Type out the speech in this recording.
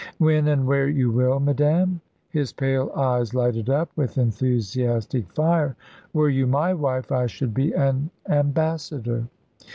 "When and where you will, madame!" His pale eyes lighted up with enthusiastic fire. "Were you my wife, I should be an ambassador."